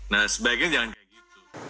nah sebaiknya jangan kayak gitu